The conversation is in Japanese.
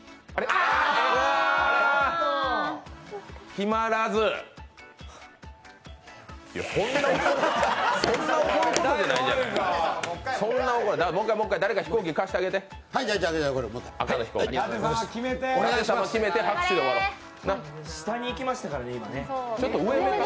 もっかい、誰か飛行機貸してあげて下にいきましたからね、今ね。